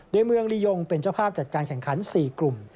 โดยเมืองลียงเป็นเจ้าภาพจัดการแข่งขัน๔กลุ่ม